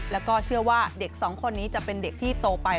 แล้วก็เชื่อว่าเด็กสองคนนี้จะเป็นเด็กที่โตไป